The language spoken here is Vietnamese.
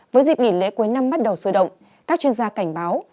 với dịp nghỉ lễ cuối năm bắt đầu sôi động các chuyên gia cảnh báo